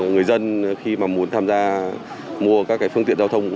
người dân khi mà muốn tham gia mua các phương tiện giao thông